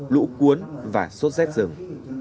nữ cuốn và sốt rét rừng